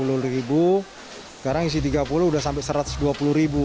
sekarang isi tiga puluh udah sampai rp satu ratus dua puluh ribu